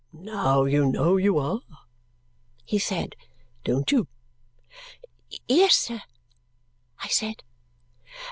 Now you know you are," he said. "Don't you?" "Yes, sir," I said.